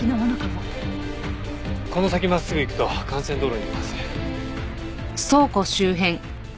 この先真っすぐ行くと幹線道路に出ます。